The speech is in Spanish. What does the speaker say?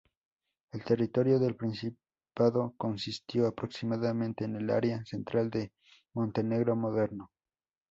El territorio del principado consistió aproximadamente en el área central del Montenegro moderno.